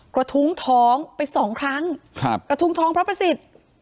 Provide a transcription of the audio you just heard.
กระทุ้งท้องไปสองครั้งครับกระทุ้งท้องพระประสิทธิ์